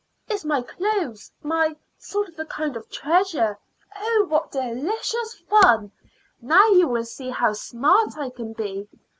It's my clothes my sort of a kind of a treasure. Oh, what delicious fun! Now you will see how smart I can be.